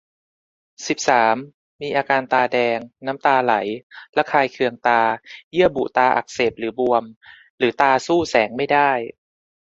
สิบสาม มีอาการตาแดง น้ำตาไหล ระคายเคืองตา เยื่อบุตาอักเสบหรือบวม หรือตาสู้แสงไม่ได้